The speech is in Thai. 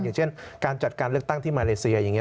อย่างเช่นการจัดการเลือกตั้งที่มาเลเซียอย่างนี้